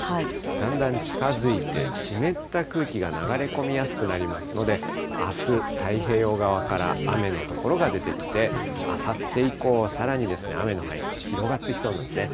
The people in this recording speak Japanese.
だんだん近づいて、湿った空気が流れ込みやすくなりますので、あす、太平洋側から雨の所が出てきて、あさって以降、さらに雨の範囲が広がってきそうなんですね。